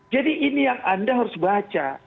jadi ini yang anda harus baca